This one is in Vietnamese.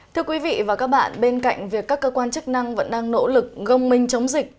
thưa quý vị và các bạn bên cạnh việc các cơ quan chức năng vẫn đang nỗ lực gông minh chống dịch